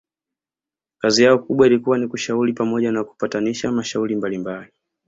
kazi yao kubwa ilikuwa ni kushauri pamoja na kupatanisha mashauri mbalimbali